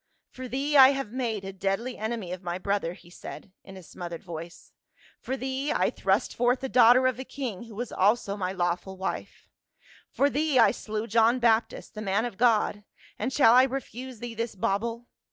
" For thee I have made a deadly enemy of my brother,"* he said in a smothered voice ; "for thee I thrust forth the daughter of a king who was also my lawful wife ; for thee I slew John Baptist, the man of God ; and shall I refuse thee this bauble